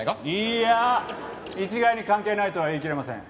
いいや一概に関係ないとは言いきれません。